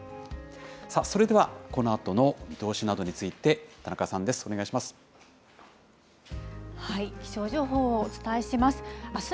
それでは、このあとの見通しなどについて、田中さんです、お願い気象情報をお伝えします。